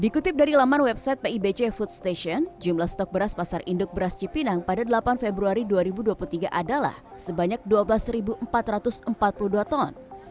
dikutip dari laman website pibc food station jumlah stok beras pasar induk beras cipinang pada delapan februari dua ribu dua puluh tiga adalah sebanyak dua belas empat ratus empat puluh dua ton